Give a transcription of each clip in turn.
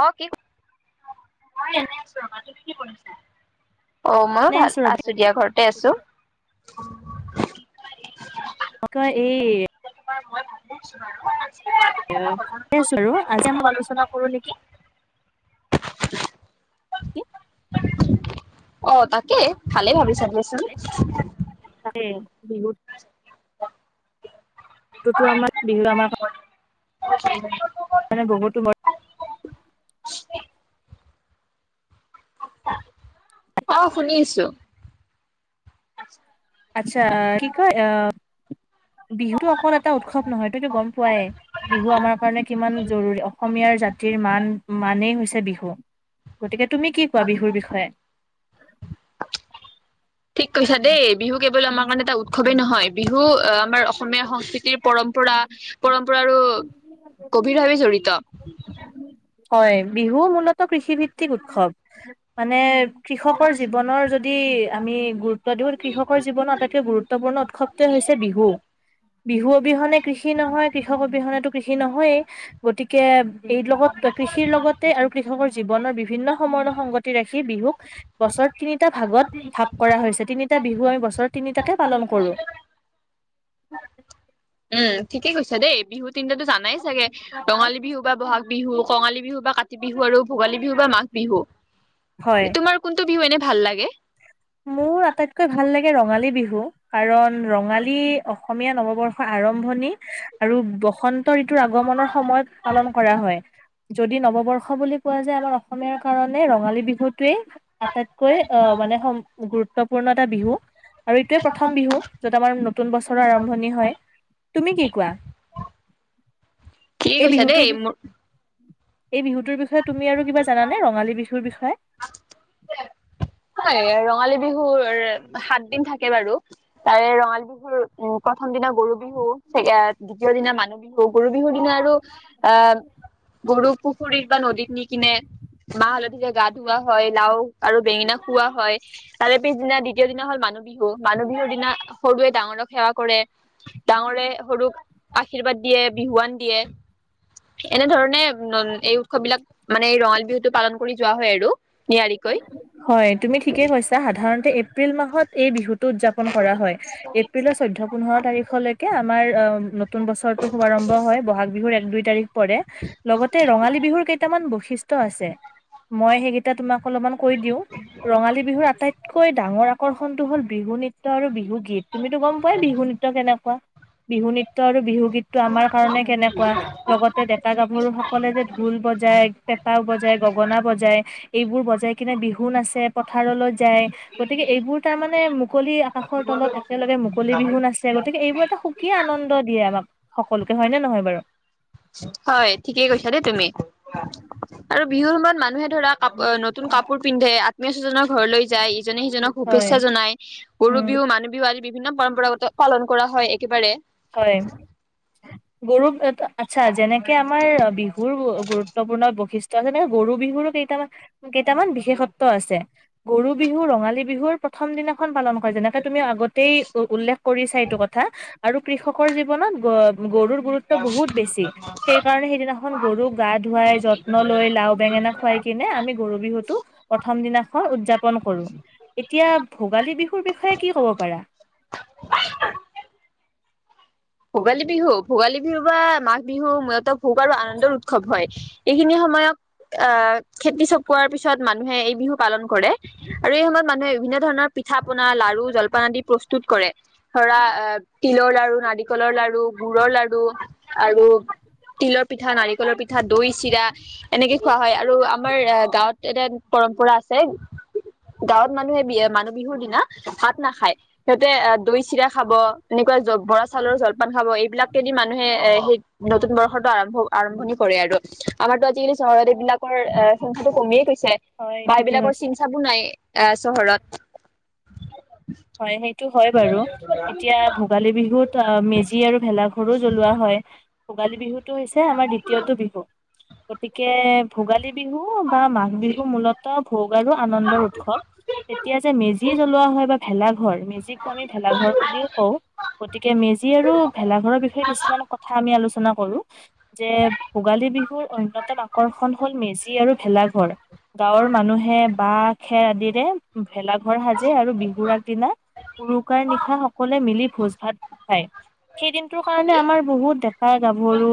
অ কি অ মই এনে ভাল আছো দিয়া ৰ'বা। ঘৰতে আছো। এই মই ভাবিছো আৰু এনেই আছো আৰু আজি আমাক আলোচনা কৰো নেকি [inaudible] কি অ তাকে ভালেই ভাবিছা। কচোন বিহুত। আমাৰ বিহু আমাৰ উ [unintelligible] কাৰণে বহুতো বৰ অ শুনিছো আচ্ছা বিহু অকল এটা উৎসৱ নহয় ততো গম পোৱাই বিহু আমাৰ কাৰণে কিমান জৰুৰী অসমীয়াৰ জাতিৰ মান মানেই হৈছে বিহু। গতিকে তুমি কি কোৱা বিহুৰ বিষয়ে ঠিক কৈছা দেই বিহু কেৱল আমাৰ কাৰণে এটা উৎসৱেই নহয় বিহু আহ আমাৰ অসমীয়া সংস্কৃতিৰ পৰম্পৰা পৰম্পৰা গভীৰ ভাৱে জড়িত হয় বিহু মূলত কৃষিভিত্তিক উৎসৱ মানে। কৃষকৰ জীৱনৰ যদি আমি গুৰুত্ব দিওঁ কৃষকৰ জীৱনৰ আটাইতকৈ গুৰুত্বপূৰ্ণ উৎসৱটোৱে হৈছে বিহু। বিহু অবিহনে কৃষি নহয় কৃষক অবিহনেতো। কৃষি নহয়েই গতিকে এই লগত কৃষিৰ লগতে আৰু কৃষকৰ জীৱনৰ বিভিন্ন সময়ো সংগতি ৰাখি বিহুক বছৰ তিনিটা ভাগত। ভাগ কৰা হৈছে তিনিটা বিহু আমি বস তিনিটা। পালন কৰো। উ [inaudible] উম ঠিকেই কৈছা দেই বিহু তিনিটাাতো জানাই চাগে ৰঙালী বিহু বা বহাগ বিহু কঙালী বিহু বা কাতি বিহু আৰু ভোগালী বিহু বা মাঘ বিহু হয় তোমাৰ কোনটো বিহু এনে ভাল লাগে। মোৰ আটাইতকৈ ভাল লাগে ৰঙালী বিহু কাৰণ ৰঙালী অসমীয়া নৱবৰ্ষৰ আৰম্ভণি আৰু বসন্ত ঋতুৰ আগমনৰ সময়ত পালন কৰা হয়। যদি নৱবৰ্ষ উস বুলি কোৱা যায় আমাৰ অসমীয়াৰ কাৰণে ৰঙালী বিহুটোৱে আটাইতকৈ আহ মানে সম গুৰুত্বপূৰ্ণ এটা বিহু আৰু এইটোৱে প্ৰথম বিহু যত আমাৰ নতুন বছৰেৰে আৰম্ভণি হয় তুমি কি কোৱা ঠিকে এই কৈছা দেই বিহুটোৰ মোৰ এই বিহুটোৰ বিষয়ে তুমি আৰু কিবা জানা নে ‍ ৰঙালী বিহুৰ বিষয়ে। হয় ৰঙালী বিহুৰ সাত দিন থাকে বাৰু তাৰে ৰঙালী বিহুৰ উ- প্ৰথম দিনা গৰু বিহু দ্বিতীয় দিনা মানুহ বিহু গৰু বিহুৰ দিনা আৰু আ গৰু পুখুৰীত বা নদীত নি কিনে মাহ হালধিৰে গা ধুওৱা হয় লাও আৰু বেঙেনা। কোৱা হয় তাৰে পিছদিনা দ্বিতীয় দিনা হ'ল মানুহ বিহু মানুহ বিহুৰ দিনা সৰুৱে ডাঙৰক সেৱা কৰে ডাঙৰে সৰুক আশীৰ্বাদ আশীৰ্বাদ দিয়ে বিহুৱান দিয়ে এনেধৰণে ন এই উৎসৱ বিলাক মানে ৰঙালী বিহুটো পালন কৰি যোৱা হয় আৰু নিয়াৰিকৈ হয় তুমি ঠিকেই কৈছা সাধাৰণ তে এপ এপ্ৰিল মাহত এই বিহুতটো উদযাপন কৰা হয় এপ্ৰিলৰ চৈধ্য পোন্ধৰ তাৰিখলৈকে আমাৰ অ ন নতুন বছৰটোৰ শুভাৰম্ভ হয় ব'হাগ বিহুৰ এক দুই তাৰিখ পৰে লগতে ৰঙালী বিহুৰ কেইটামান বৈশিষ্ট্য মহত্ব আছে মই সেইকেইটা তোমাক অলপ কৈ দিওঁ ৰঙালী বিহুৰ আটাইতকৈ ডাঙৰ আকৰ্ষণটো হ'ল বিহু নৃত্য আৰু বিহু গীত তুমিতো গম পোৱাই বিহু নৃত্য কেনেকুৱা বিহু নৃত্য নৃত্য আৰু বিহু গীতটো আমাৰ কাৰণে কেনেকুৱা লগতে ডেকা গাভৰু সকলে যে ঢোল বজায়, পেঁপাও বজায়, গগনা বজায় এইবোৰ বজাই বিহু নাচে পথাৰলৈ যায় গতিকে এইবোৰ তাৰ মানে মুকলি আকাশৰ তলত একেলগে মুকলি বিহু নাচে গতিকে এইবোৰ এটা খুব কি আনন্দ দিয়ে আমাক সকলোকে হয় নে নহয় বাৰু হয় ঠিকে কৈছা দেই তুমি আৰু বিহুৰ সময়ত মানুহে - ধৰা কাপ নতুন কাপোৰ পিন্ধে মে জনক ঘৰলৈ যায়, ইজনে সিজনক হয়, শুভেচ্ছা জনায়। গৰু উম বিহু, মানুহ বিহু আদি বিভিন্ন পৰম্পৰাগত পালন কৰা হয়। একেবাৰে হয়। গৰু আচ্ছা যেনেকে আমাৰ বিহুৰ গু গুৰুত্বপূৰ্ণ বৈ বৈশিষ্ট্য আছে নহয়? গৰু বিহুৰো কেইটামান কেইটামান বিশেষত্ব আছে। গৰু বিহু, ৰঙালী বিহুৰ প্ৰথম দিনাখন পালন হয় যেনেকে তুমি আগতেই উল্লেখ কৰিছা এইটো কথা আৰু কৃষকৰ জীৱনত গৰুৰ গুৰুত্ব বহুত বেছি। সেইকাৰণে সেইদিনাখন গৰুক গা ধুৱাই, যত্ন লৈ, লাও বেঙেনা খুৱাই কিনে আমি গৰু বিহুতটো প্ৰথম দিনাখন উদযাপন কৰো। এতিয়া ভোগালী বিহুৰ বিষয়ে কি কব পাৰা? ভোগালী বিহু, ভোগালী বিহু বা মাঘ বিহু মূলত ভোগ আৰু আনন্দৰ উৎসৱ হয়। এইখিনি সময়ক আহ খেতি চপোৱাৰ পিছত মানুহে এই বিহু পালন কৰে। আৰু এই সময়ত মানুহে বিভিন্ন ধৰণৰ পিঠা পনা, লাৰু, জলপান আদি প্ৰস্তুত কৰে। ধৰা তিলৰ লাৰু নাৰিক কলৰ লাৰু গুড়ৰ লাডু আৰু তিলৰ পিঠা, নাৰিকলৰ পিঠা দৈ চিৰা, এনেকে খোৱা হয়। আৰু আমাৰ গাঁৱত এটা পৰম্পৰা আছে। গাঁৱত মানুহে বি মানুহ বিহুৰ দিনা ভাত নাখায়, সিহঁতে দৈ চিৰা খাব। এনেকুৱা জ বৰা চাউ চাউৰ জলপান খাব। এইবিলাককেদি মানুহে এ সেই নতুন বৰ্ষতো আৰম্ভ আৰম্ভণি কৰে আৰু। আমাৰতো আজিকালি চহৰত এইবিলাকৰ এ সংখ্যাটো কমিয়ে গৈছে, হয় বা ঠিকে এইবিলাকৰ কৈছা চিন চাবো নাই। চহৰত সেই [inaudible] হয় বাৰু। এতিয়া ভোগালী বিহুত মেজি আৰু ভেলাঘৰো জ্বলোৱা হয়। ভোগালী বিহুতটো হৈছে আমাৰ দ্বিতীয়টো বিহু। গতিকে ভোগালী বিহু বা মাঘ বিহু মূলত ভোগ আৰু আনন্দৰ উৎসৱ তেতিয়া যে মেজি জ্বলোৱা হয় বা ভেলা ঘৰ, মেজি ঘৰে ভেলাঘৰ বুলিও কওঁ। গতিকে মেজি আৰু ভেলাঘৰ'ৰ বিষয়ে কিছুমান কথা আমি আলো- আলোচনা কৰো। যে ভোগালী বিহুৰ অন্যতম আকৰ্ষণ হল মেজি আৰু ভেলাঘৰ। গাঁৱৰ মানুহে বাঁহ খেৰ আদিৰে ভেলাঘৰ সাজে আৰু বিহু উৰুকাৰ নিশা সকলোৱে মিলি ভোজ ভাত খায়। সেই দিনটোৰ কাৰণে আমাৰ বহুত ডেকা গাভৰু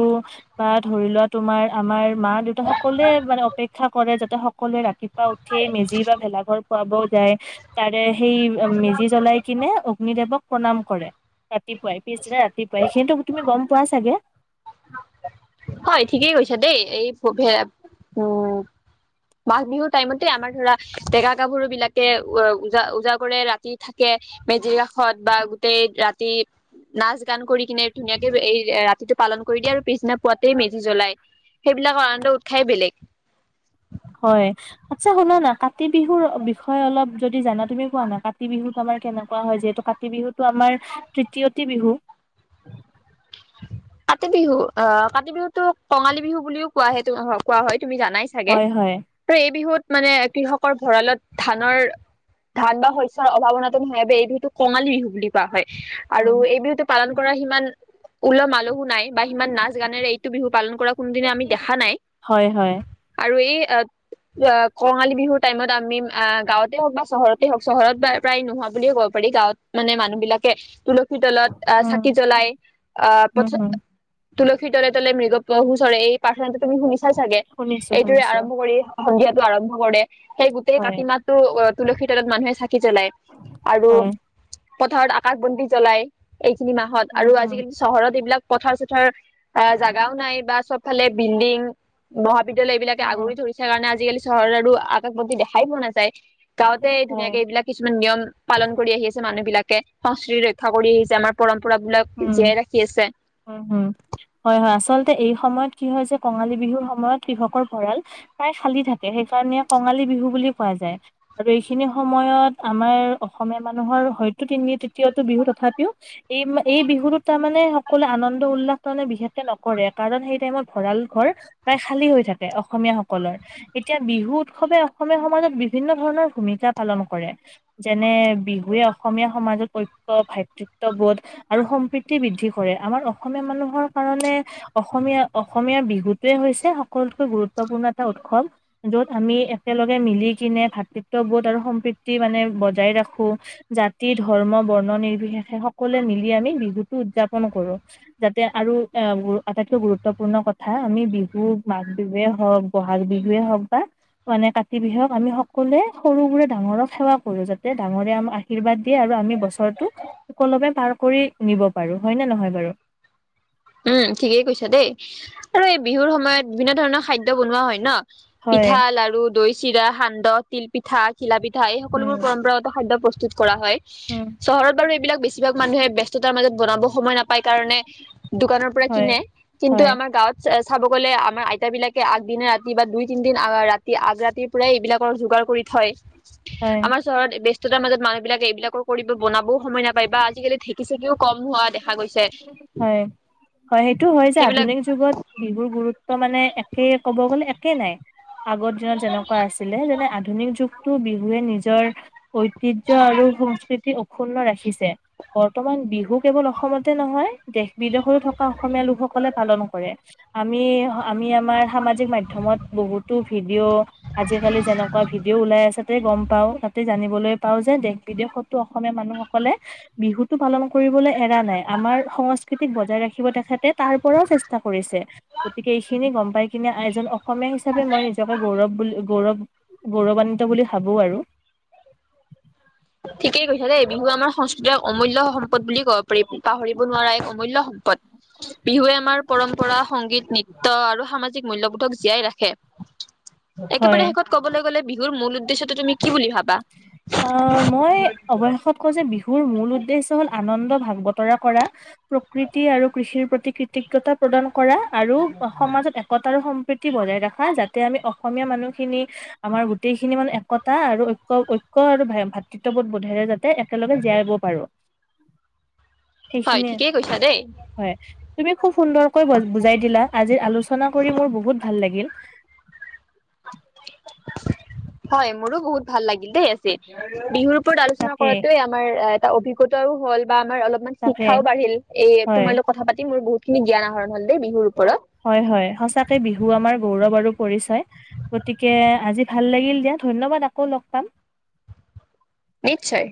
বা ধৰি লোৱা তোমাৰ আমাৰ মা দেউতা সকলোয়েই মানে অপেক্ষা অপেক্ষা কৰে যাতে সকলোৱে ৰাতি পুৱা উঠিয়েই মেজি বা ভেলা ঘৰ জ্বলাব তাৰে সেই মেজি জ্বলাই কিনে অগ্নিদেৱক প্ৰণাম কৰে। ৰাতিপুৱাই পিছদিনা ৰাতিপুৱাই সেইটো তুমি গম পোৱা চাগে? হয় ঠিকেই কৈছা দেই এই উম মাঘ বিহুৰ টাইমতে আমাৰ ধৰা ডেকা গাভৰু বিলাকে উজা ওজা কৰে ৰাতি থাকে। মেজিৰ কাষত বা গোটেই ৰাতি নাচ গান কৰি কিনে ধুনীয়াকে এই ৰাতিটো পালন কৰি দিয়া আৰু পিছ পুৱাতেই মেজি জ্বলাই সেইবিলাকৰ আনন্দ উৎসৱ বেলেগ। হয় আচছা শুনা না কাতি বিহুৰ বিষয়ে অলপ যদি জানা তুমি কোৱা না কাতি বিহুত আমাৰ কেনেকুৱা হয় যিহেতু কাটি কাতি বিহুতটো আমাৰ তৃতীয়টি বিহু [unintelligible] কাতি বিহু আঁহ কাতি বিহুতটো কঙালী বিহু বুলিও কোৱা হয়ো কোৱা হয়। তুমি জানাই চাগে হয় হয়। ত' এই বিহুত মানে কৃষকৰ ভঁৰালত ধানৰ ধান বা শস্যৰ অভাৱনাটো নাবে এই বিহুতোক কঙালী বিহু বুলি কোৱা হয়। আৰু এই বিহুতটো পালন কৰা সিমান উলহ মলহো নাই বা সিমান নাচ গানেৰে এইটো বিহু পালন কৰা কোনোদিনে আমি দেখা নাই।। হয় হয় আৰু হেৰি কঙালী বিহুৰ টাইমত আমি অ গাঁৱতে হওঁক বা চহৰতে হওঁক চহৰত বা প্ৰায় নোহোৱা বুলিয়ে ক'ব। গাঁৱত মানে মানুহ বিলাকে তোলৈ। তলত অঁ উম চাকি জ্বলাই অঁ উম পথত হম তুলসী তলে তলে মৃগ পহু চৰে এই পাঠটো। তুমি শুনিছা চাগে শুনিছো এইটোৰে শুনিছো আৰম্ভ কৰি সন্ধিয়া।। টো আৰম্ভ কৰে। সেই গোটেই হয় কাতি মাহটো তুলসী তলত মানুহে জ্বলাই আৰু হয় পথাৰত আকাশ বন্তি জ্বলাই। এইখিনি মাহত উম আৰু হম আজিকালি চহৰত এইবিলাক পথাৰ- চথাৰ অঁ জাগাওঁ নাই বা চবফালে বিল্ডিং মহাবিদ্যালয় এইবিলাকে উম আগৰি ধৰিছে কাৰণে আজিকালি' চহৰ আৰু আকাশ দেখাই পোৱা নাযায়। গাঁওতেই হয় ধুনীয়াকে এইবিলাক কিছুমান নিয়ম পালন কৰি আহি আছে। মানুহ বিলাকে, সংস্কৃতি ৰক্ষা কৰি আহিছে, আমাৰ পৰম্পৰা বিলাক উম জীয়াই ৰাখি আছে উম হয় হয় আচলতে। এই সময়ত কি হৈছে কঙালী বিহুৰ সময়ত কৃষকৰ ভঁৰাল প্ৰায় খালী থাকে, সেইকাৰণে কঙালী বিহু বুলি কোৱা যায়। আৰু এইখিনি সময়ত আমাৰ অসমীয়া মানুহৰ হয়তো তিনি তৃতীয়টো বিহু, তথাপিও এই এই বিহুতো তাৰমানে সকলোৱে আনন্দ উল্লাস তাৰমানে বিশেষকে নকৰে কাৰণ সেই টাইমত ভঁৰাল ঘৰ প্ৰায় খালী হৈ থাকে অসমীয়াসকলৰ, এতিয়া বিহু উৎসৱে, অসমীয়া সমাজত বিভিন্ন ধৰণৰ ভূমিকা পালন কৰে যেনে বিহুৱে অসমীয়া সমাজত ভাতৃত্ববোধ আৰু সম্প্ৰীতি বৃদ্ধি কৰে আমাৰ অসমীয়া মানুহৰ কাৰণে অসমীয়া অসমীয়া বিহুটোৱে হৈছে সকলোতকৈ গুৰুত্বপূৰ্ণ এটা উৎসৱ যত আমি একেলগে মিলি কিনে ভাত ভাতৃত্ববোধ আৰু সম্প্ৰীতি মানে বজাই ৰাখো, জাতি ধৰ্ম বৰ্ণ নিৰ্বিশেষে সকলোৱে মিলি আমি বিহুতটো উদযাপন কৰো যাতে আৰু এ আটাইতকৈ গুৰুত্বপূৰ্ণ কথা আমি বিহু মাঘ, বিহুৱে হওঁক বহাগ, বিহুৱে হওক বা মানে কাতি, বিহুক আমি কলে সৰুবোৰে ডাঙৰক সেৱা কৰো যাতে ডাঙৰে আমাক আশীৰ্বাদ দিয়ে আৰু আমি বছৰটো সকলমে পাৰ কৰি নিব পাৰো হয় নে নহয়। বাৰু উম ঠিকেই কৈছা দেই আৰু এই বিহুৰ সময়ত বিভিন্ন ধৰণৰ খাদ্য বনোৱা হয় ন। হয় পিঠা, লাড়ু, দৈ, চিৰা, সান্দহ, তিল পিঠা, ঘিলা পিঠা, এই সকলবোৰ উম পৰম্পৰাগত খাদ্য প্ৰস্তু কৰা হয়। উম চহৰত বাৰু এইবিলাক বেছিভাগ মানুহে ব্যস্ততাৰ মাজত বনাব সময় নাপায় কাৰণে দোকানৰ পৰা হয় কিনে কিন্তু হয় আমাৰ গাঁৱত চাব গ'লে আমাৰ আইতা বিলাকে আগদিনে ৰাতি বা দুই তিনদিন ৰাতি আগ ৰাতিৰ পৰাই এইবিলাক যোগাৰ কৰি থয়, হয় আমাৰ চহৰত ব্যস্ততাৰ মাজত মানুহ বিলাকে এইবিলাকৰ কৰিব বনাবও সময় নাপায় বা আজিকালি ঢেঁকি চেকিও কম হোৱা দেখা গৈছে। হয় হয় সেইটো হয় যে সেইবিলাক আধুনিক যুগত বিহুৰ গুৰুত্ব মানে একে ক'ব গ'লে একে নাই। আগৰ দিনত যেনেকুৱা আছিলে যেনে আধুনিক যুগতটো বিহুৱে নিজৰ ঐতিহ্য আৰু সংস্কৃতি অক্ষুন্ ৰাখিছে বৰ্তমান বিহু কেৱল অসমতে নহয়। দেশ বিদেশৰো থকা অসমীয়া লোকসকলে পালন কৰে। আমি আমি আমাৰ সামাজিক মাধ্যমত বহুতো ভিডিঅ' আজিকালি যেনেকুৱা ভিডিঅ' ওলাই আছে তাতে গম পাওঁ তাতে জানিবলৈ পাওঁ যে দেশ বিদেশতো অসমীয়া মানুহসকলে বিহুতটো পালন কৰিবলৈ এৰা নাই আমাৰ সং সস্কৃতিক বজাই ৰাখিব তেখেতে তাৰ পৰাও চেষ্টা কৰিছে গতিকে এইখিনি গম পাই কিনে এজন অসমীয়া হিচাপে মই নিজকে গৌৰৱ বুলি গৌৰৱ গৌৰৱান্বিত বুলি ভাবো। আৰু ঠিকেই কৈছা দেই বিহু আমাৰ সংস্কৃতিৰ অমূল্য সম্পদ বুলি কঁও পাহৰিব নোৱাৰা এক অমূল্য সম্পদ বিহুৱে আমাৰ পৰম্পৰা সংগীত, নৃত্য, আৰু সমাজ মূল্যবোধক জীয়াই ৰাখে হয় একেবাৰে শেষত ক'বলৈ গ'লে বিহুৰ মূল উদ্দেশ্যতো তুমি কি বুলি ভাবা অ' মই অৱশেষত কওঁ যে বিহুৰ মূল উদ্দেশ্য হ'ল আনন্দ ভাগ বতৰা কৰা প্ৰকৃতি আৰু কৃষিৰ প্ৰতি কৃৃতজ্ঞতা প্ৰদান কৰা আৰু সমাজত একতা আৰু সম্প্ৰীতি বজাই ৰখা যাতে আমি অসমীয়া মানুহখিনি আমাৰ গোটেইখিনি মানে একতা আৰু ঐক্য আৰু ভাতৃত্ববোধ বোধেৰে যাতে একেলগে জীয়াই পাৰো। [inaudible] হয় সেইখিনিয়ে ঠিকেই কৈছা দেই। হয় তুমি খুব সুন্দৰকৈ বুজাই দিলা আজিৰ আলোচনা কৰি মোৰ বহুত ভাল লাগিল। [inaudible] হয় মোৰো বহুত। ভাল লাগিল দেই। বিহুৰ ওপৰত আলোচনা তাকে কৰাতোৱে আমাৰ এটা অভিজ্ঞতাও হল বা আমাৰ অলপমান তাকে শিক্ষাও বাঢ়িল এই হয় তোমাৰ লগোক কথা পাতি মোৰ বহুত। খিনি জ্ঞান আহৰণ হলে দে বিহুৰ ওপৰত হয় হয় সচাকে বিহু আমাৰ গৌৰৱ আৰু পৰিচয় গতিকে আজি ভাল লাগিল দিয়া ধন্যবাদ আকৌ লগ পাম। নিশ্চয়।